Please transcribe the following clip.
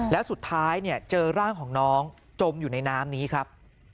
แล้วสุดท้ายเจอร่างของน้องจมอยู่ในน้ำนี้ครับ